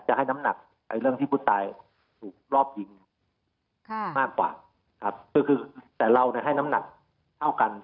จะให้น้ำหนักเรื่องที่ผู้ตายถูกรอบยิงค่ะมากกว่าครับก็คือแต่เราให้น้ำหนักเท่ากัน